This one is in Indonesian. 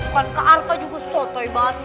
kan kak arka juga sotoy banget